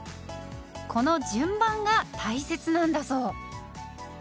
この順番が大切なんだそう。